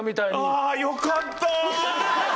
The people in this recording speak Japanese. ああよかった！